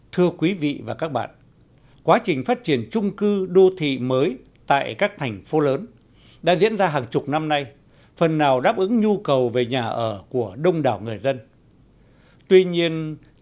thưa quý vị và các bạn quá trình phát triển trung cư đô thị mới tại các thành phố lớn đã diễn ra hàng chục năm nay phần nào đáp ứng nhu cầu về nhà ở của đông đảo người dân